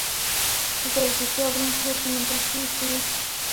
دلته د شیشې او برونزو لوښي موندل شوي